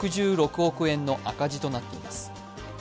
６６億円の赤字となっています。